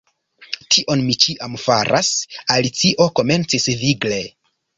"Tion mi ĉiam faras," Alicio komencis vigle.